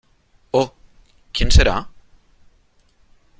¡ oh !...¿ quién será ?